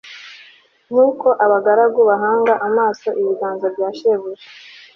nk'uko abagaragu bahanga amaso ibiganza bya shebuja